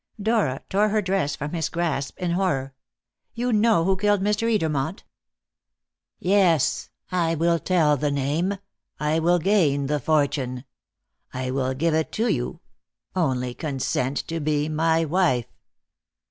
Dora tore her dress from his grasp in horror. "You know who killed Mr. Edermont!" "Yes; I will tell the name; I will gain the fortune; I will give it to you. Only consent to be my wife."